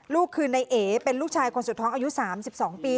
ลูกคือนายเอ๋เป็นลูกชายคนสุดท้องอายุ๓๒ปี